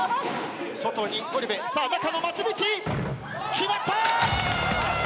決まった！